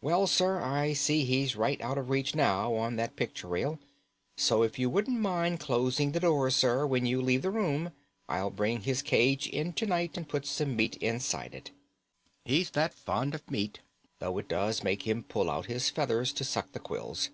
"Well, sir, I see he's right out of reach now on that picture rail, so if you wouldn't mind closing the door, sir, when you leave the room, I'll bring his cage in to night and put some meat inside it. He's that fond of meat, though it does make him pull out his feathers to suck the quills.